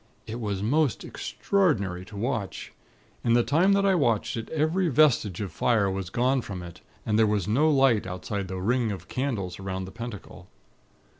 It was most extraordinary to watch. In the time that I watched it, every vestige of fire was gone from it, and there was no light outside of the ring of candles around the Pentacle.